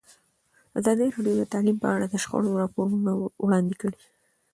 ازادي راډیو د تعلیم په اړه د شخړو راپورونه وړاندې کړي.